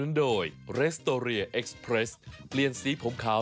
อ๋อทำชิลลี่เดี๋ยวกลับมาอ่า